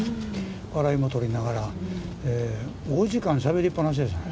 笑いも取りながら、５時間しゃべりっぱなしでしたね。